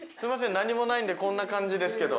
何にもないんでこんな感じですけど。